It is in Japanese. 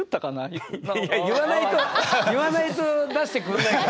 言わないと出してくんないから。